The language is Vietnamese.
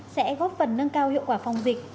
sẽ góp phần nâng cao hiệu quả phòng dịch